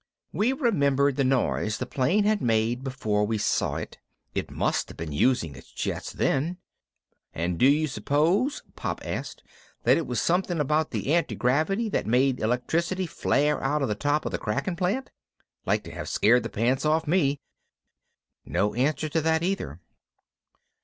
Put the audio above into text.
We remembered the noise the plane had made before we saw it. It must have been using its jets then. "And do you suppose," Pop asked, "that it was something from the antigravity that made electricity flare out of the top of the cracking plant? Like to have scared the pants off me!" No answer to that either.